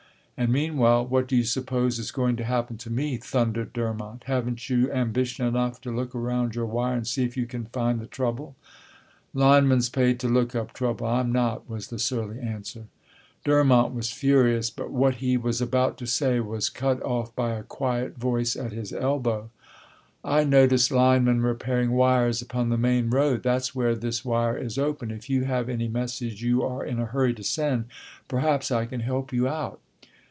"And meanwhile, what do you suppose is going to happen to me?" thundered Durmont. "Haven't you ambition enough to look around your wire and see if you can find the trouble?" "Lineman's paid to look up trouble; I'm not," was the surly answer. Durmont was furious, but what he was about to say was cut off by a quiet voice at his elbow. "I noticed linemen repairing wires upon the main road, that's where this wire is open. If you have any message you are in a hurry to send, perhaps I can help you out."